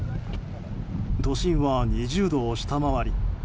都心は２０度を下回り